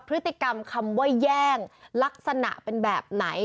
พฤติกรรมคำว่าแย่งลักษณะเป็นแบบไหน